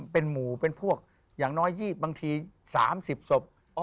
เป็นหมู่เป็นพวกอย่างน้อย๒บางที๓๐ศพ